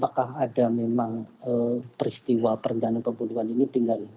apakah ada memang peristiwa perencanaan pembunuhan ini tinggal